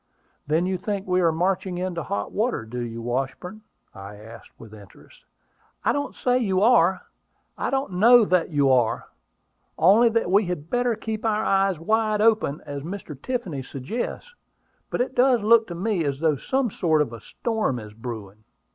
"Then you think we are marching into hot water, do you, Washburn?" I asked with interest. "I don't say you are: I don't know that you are: only that we had better keep our eyes wide open, as Mr. Tiffany suggests. But it does look to me as though some sort of a storm is brewing."